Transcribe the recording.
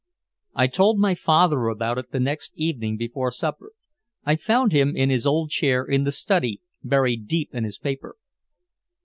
I told my father about it the next evening before supper. I found him in his old chair in the study buried deep in his paper.